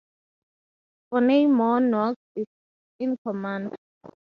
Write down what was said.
Forney Moore Knox in command.